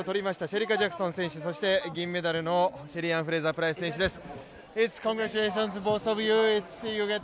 シェリカ・ジャクソン選手、そして銀メダルのシェリーアン・フレイザー・プライス選手です。